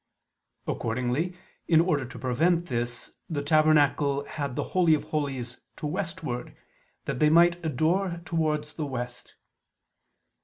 Accordingly, in order to prevent this, the tabernacle had the Holy of Holies to westward, that they might adore toward the west.